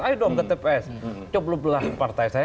ayo dong ke tps coblok lah partai saya